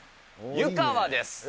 湯川です。